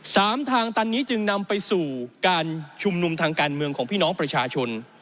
ทางตันนี้จึงนำไปสู่การชุมนุมทางการเมืองของพี่น้องประชาชน